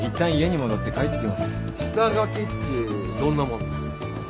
下書きっちどんなもんな？